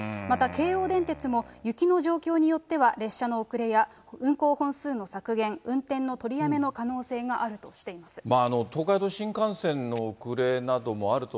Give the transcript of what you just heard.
また、京王電鉄も雪の状況によっては、列車の遅れや、運行本数の削減、運転の取りやめの可能性があるとしています。